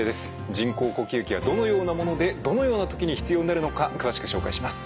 人工呼吸器はどのようなものでどのような時に必要になるのか詳しく紹介します。